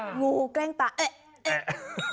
งูแกล้งตายเอ๊ะเอ๊ะ